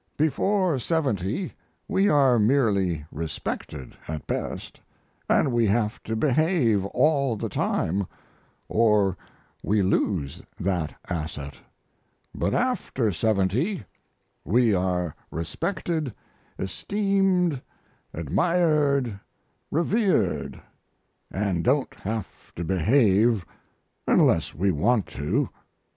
Before seventy we are merely respected, at best, and we have to behave all the time, or we lose that asset; but after seventy we are respected, esteemed, admired, revered, and don't have to behave unless we want to.